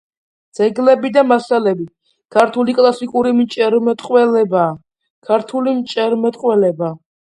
ძეგლები და მასალები“, „ქართული კლასიკური მჭერმეტყველება“, „ქართული მჭერმეტყველება.